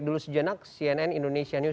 di indonesia news